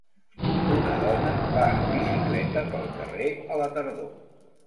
Una dona va en bicicleta pel carrer a la tardor